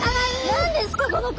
何ですかこの子？